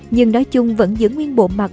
nhưng nói chung vẫn giữ nguyên bộ mặt